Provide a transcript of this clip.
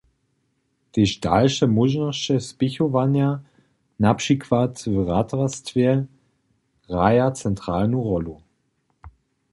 Tež dalše móžnosće spěchowanja, na přikład w ratarstwje, hraja centralnu rólu.